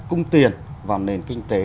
cung tiền vào nền kinh tế